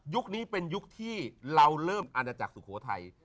นี้เป็นยุคที่เราเริ่มอาณาจักรสุโขทัย